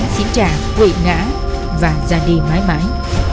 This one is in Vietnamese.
đồng chí trả quỷ ngã và ra đi mãi mãi